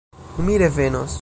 Mi revenos.